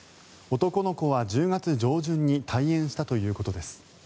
男の子は１０月上旬に退園したということです。